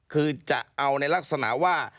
คือจะเอาในลักษณะว่า